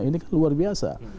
ini kan luar biasa